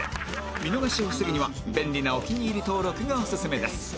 見逃しを防ぐには便利なお気に入り登録がオススメです